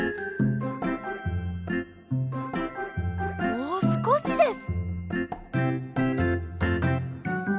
もうすこしです。